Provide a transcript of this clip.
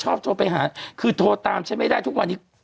โทรไปหาคือโทรตามฉันไม่ได้ทุกวันนี้